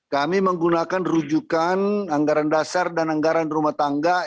kami menggunakan rujukan anggaran dasar dan anggaran rumah tangga